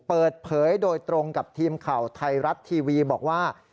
เปิดเผยโดยตรงกับทีมข่าวไทยรัฐทีวีบอกว่า